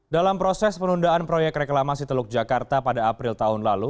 dalam proses penundaan proyek reklamasi teluk jakarta pada april tahun lalu